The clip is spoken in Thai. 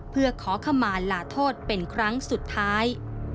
เพื่อขอขมาลาโทษเป็นครั้งสุดท้าย